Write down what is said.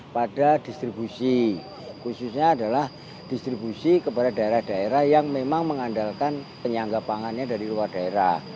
pada distribusi khususnya adalah distribusi kepada daerah daerah yang memang mengandalkan penyangga pangannya dari luar daerah